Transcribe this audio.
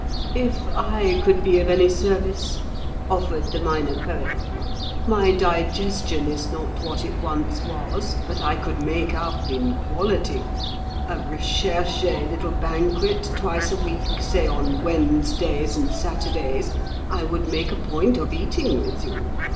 "If I could be of any service?" offered the Minor Poet. "My digestion is not what it once was, but I could make up in quality—a recherché little banquet twice a week, say on Wednesdays and Saturdays, I would make a point of eating with you.